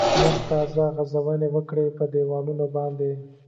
لمر تازه غځونې وکړې په دېوالونو باندې.